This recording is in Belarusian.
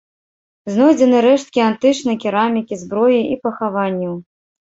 Знойдзены рэшткі антычнай керамікі, зброі і пахаванняў.